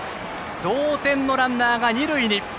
同点のランナーが二塁に。